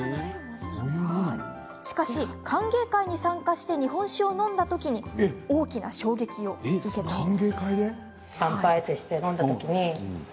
しかし、歓迎会に参加して日本酒を飲んだ時に大きな衝撃を受けたんです。